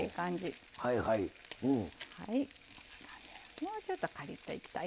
もうちょっとカリッといきたいかな。